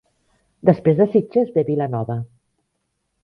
Després de Sitges ve Vilanova.